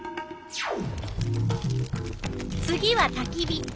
次はたき火。